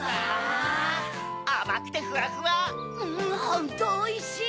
ホントおいしい！